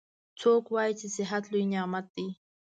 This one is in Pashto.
څوک وایي چې صحت لوی نعمت ده